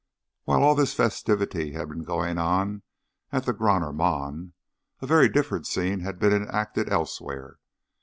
While all this festivity had been going on at the Grüner Mann, a very different scene had been enacted elsewhere.